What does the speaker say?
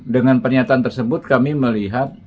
dengan pernyataan tersebut kami melihat